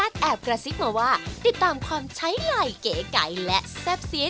ใช่ครับ